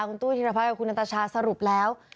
คุณตู้ธิรพัฒนกับคุณอันตชาสรุปแล้ว